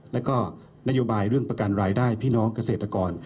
แล้วก็นโยบายเรื่องประกันรายได้พี่น้องเกษตรกร